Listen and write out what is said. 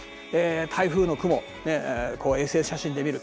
台風の雲衛星写真で見る。